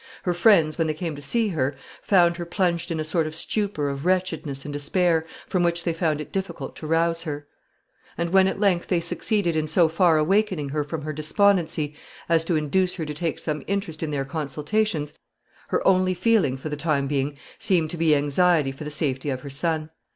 Her friends, when they came to see her, found her plunged in a sort of stupor of wretchedness and despair from which they found it difficult to rouse her. [Sidenote: Her friends encourage her.] [Sidenote: Little success.] And when, at length, they succeeded in so far awakening her from her despondency as to induce her to take some interest in their consultations, her only feeling for the time being seemed to be anxiety for the safety of her son.